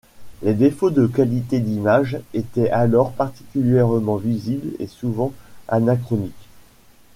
Les défauts de qualité d'images étaient alors particulièrement visibles et souvent anachroniques.